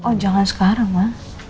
oh jangan sekarang ma